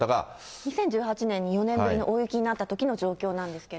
２０１８年に４年ぶりの大雪になったときの状況なんですけれども。